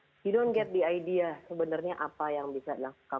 anda tidak mendapatkan ide sebenarnya apa yang bisa dilakukan